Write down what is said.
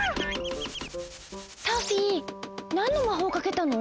サフィーなんのまほうかけたの？